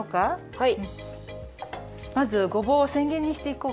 はい！